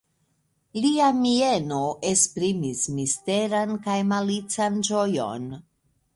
Lia mieno esprimis misteran kaj malican ĝojon.